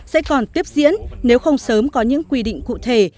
sẽ còn tiếp diễn nếu không sớm có những quy định cụ thể